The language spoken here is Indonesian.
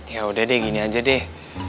yaudah deh gini aja deh